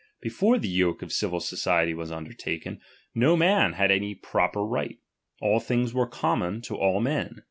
Before the yoke of civil society was undertaken, no man had any proper right ; all things were common to all men.